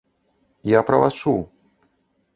Я пра вас чуў.